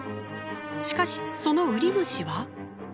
しかしその売り主は。